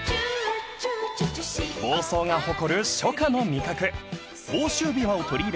［房総が誇る初夏の味覚］